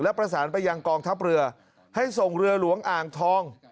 ประสานไปยังกองทัพเรือให้ส่งเรือหลวงอ่างทอง